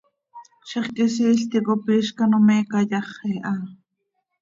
Zixquisiil ticop iizc ano me cayaxi ha.